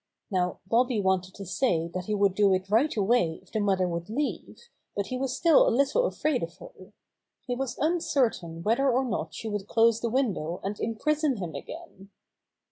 Now Bobby wanted to say that he would do it right away if the mother would leave, but he was still a little afraid of her. He was un certain whether or not she would close the window and imprison him again.